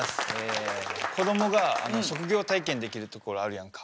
こどもが職業体験できるところあるやんか。